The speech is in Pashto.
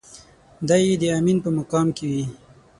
دی يې د امين په مقام کې وي.